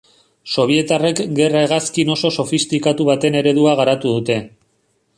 Sobietarrek gerra hegazkin oso sofistikatu baten eredua garatu dute.